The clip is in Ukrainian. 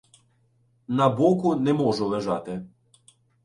На боку не можу лежати.